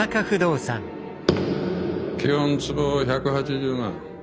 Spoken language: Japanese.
基本坪１８０万。